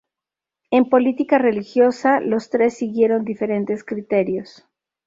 En política religiosa los tres siguieron diferentes criterios.